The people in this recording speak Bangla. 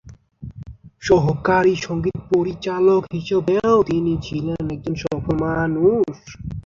সহকারী সংগীত পরিচালক হিসেবেও তিনি ছিলেন একজন সফল মানুষ।